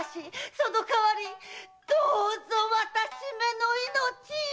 その代わりどうぞ私めの命を！